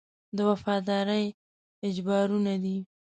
د وفادارۍ اجبارونه دي.